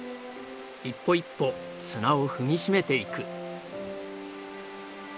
一歩一歩砂を踏み締めていく。